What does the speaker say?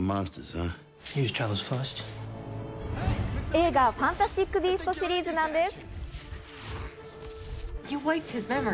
映画『ファンタスティック・ビースト』シリーズなんです。